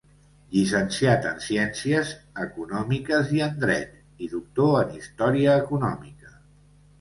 Llicenciat en ciències econòmiques i en dret, i doctor en Història Econòmica.